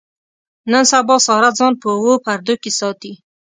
نن سبا ساره ځان په اوو پردو کې ساتي.